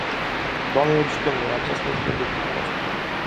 Doamnelor și domnilor, acesta este obiectivul nostru.